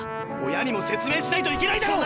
親にも説明しないといけないだろ！